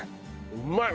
うまい！